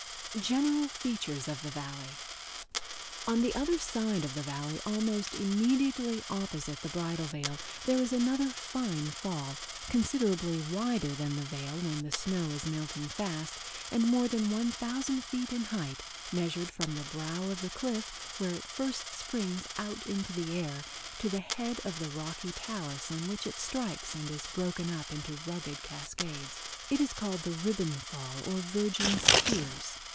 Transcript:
General Features Of The Valley On the other side of the Valley, almost immediately opposite the Bridal Veil, there is another fine fall, considerably wider than the Veil when the snow is melting fast and more than 1000 feet in height, measured from the brow of the cliff where it first springs out into the air to the head of the rocky talus on which it strikes and is broken up into ragged cascades. It is called the Ribbon Fall or Virgin's Tears.